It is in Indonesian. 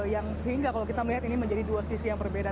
yang sehingga kalau kita melihat ini menjadi dua sisi yang berbeda